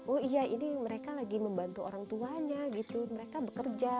oh iya ini mereka lagi membantu orang tuanya gitu mereka bekerja